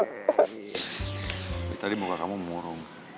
tapi tadi muka kamu mengurung